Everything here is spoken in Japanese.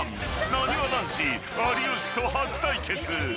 なにわ男子、有吉と初対決。